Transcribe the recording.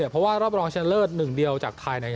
เพราะว่ารอบรองชนะเลิศ๑เดียวจากไทย